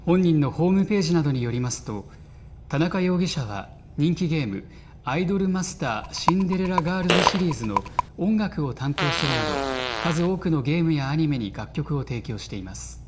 本人のホームページなどによりますと田中容疑者は人気ゲーム、アイドルマスターシンデレラガールズシリーズの音楽を担当するなど数多くのゲームやアニメに楽曲を提供しています。